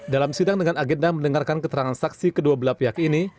dalam sidang dengan agenda mendengarkan keterangan saksi kedua belah pihak ini